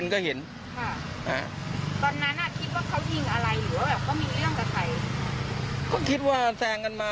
ก็คิดว่าแซงกันมา